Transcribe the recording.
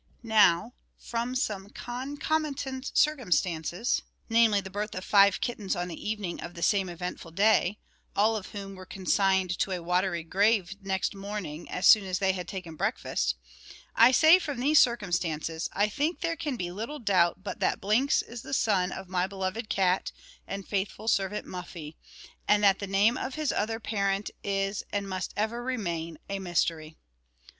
Now, from some concomitant circumstances namely, the birth of five kittens on the evening of the same eventful day all of whom were consigned to a watery grave next morning, as soon as they had taken breakfast I say from these circumstances, I think there can be little doubt but that Blinks is the son of my beloved cat and faithful servant Muffie; and that the name of his other parent is, and must ever remain, a mystery.